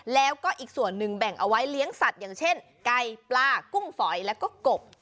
แล้วก็อีกส่วนหนึ่งแบ่งเอาไว้เลี้ยงสัตว์อย่างเช่นไก่ปลากุ้งฝอยแล้วก็กบ